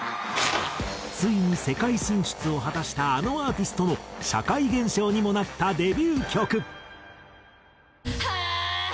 ついに世界進出を果たしたあのアーティストの社会現象にもなったデビュー曲。